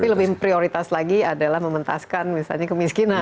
tapi lebih prioritas lagi adalah mementaskan misalnya kemiskinan